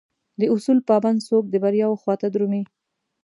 داصول پابند څوک دبریاوخواته درومي